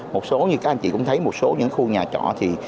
một số như các anh chị cũng thấy một số những khu nhà trọ thì